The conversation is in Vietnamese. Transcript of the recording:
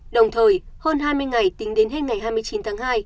đồng thời hơn hai mươi ngày tính đến hết ngày hai mươi chín tháng hai